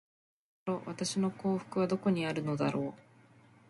結局のところ、私の幸福はどこにあるのだろう。